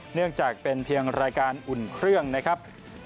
เนื่องจากเป็นเพียงรายการอุ่นเครื่องนะครับ